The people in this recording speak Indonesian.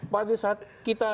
pada saat kita